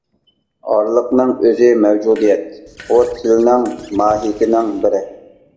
ئارىلىقنىڭ ئۆزى مەۋجۇدىيەت، ئۇ تىلنىڭ ماھىيىتىنىڭ بىرى.